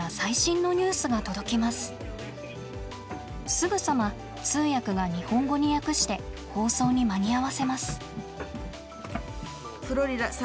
すぐさま通訳が日本語に訳して放送に間に合わせます。